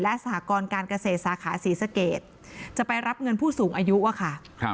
และสหกรการเกษตรสาขาศรีสเกตจะไปรับเงินผู้สูงอายุอะค่ะ